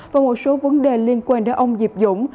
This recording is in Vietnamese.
và một số vấn đề liên quan đến ông diệp dũng